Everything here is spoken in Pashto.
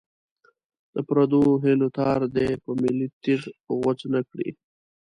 د پردو هیلو تار دې په ملي تېغ غوڅ نه کړي.